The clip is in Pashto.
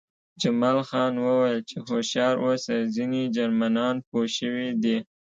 جمال خان وویل چې هوښیار اوسه ځینې جرمنان پوه شوي دي